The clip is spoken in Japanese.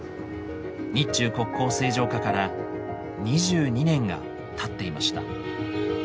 日中国交正常化から２２年がたっていました。